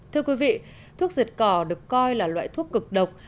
thưa quý vị thuốc diệt cỏ được coi là loại thuốc cực độc